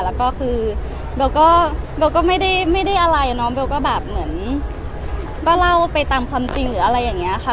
แล้วก็คือเบลก็ไม่ได้อะไรน้องเบลก็แบบเหมือนก็เล่าไปตามความจริงอย่างเนี้ยค่ะ